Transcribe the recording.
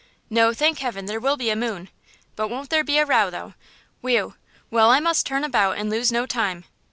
No, thank heaven, there will be a moon. But won't there be a row though? Whew! Well, I must turn about and lose no time.